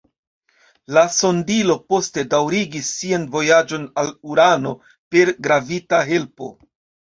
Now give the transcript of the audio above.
La sondilo poste daŭrigis sian vojaĝon al Urano per gravita helpo.